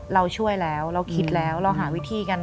เราช่วยแล้วเราคิดแล้วเราหาวิธีกัน